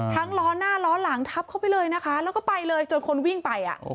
ล้อหน้าล้อหลังทับเข้าไปเลยนะคะแล้วก็ไปเลยจนคนวิ่งไปอ่ะ